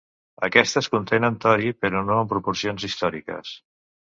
Aquestes contenen tori, però no en proporcions històriques.